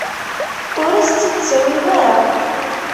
Ur as-tt-id-ttawi ara.